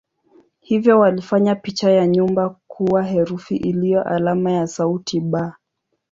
Hivyo walifanya picha ya nyumba kuwa herufi iliyo alama ya sauti "b".